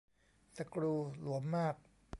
สกรูหลวมมาก